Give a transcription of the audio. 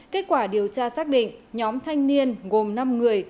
kết quả điều tra xác định nhóm thanh niên gồm năm người